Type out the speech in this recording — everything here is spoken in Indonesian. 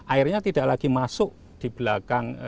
airnya tidak lagi masuk di belakang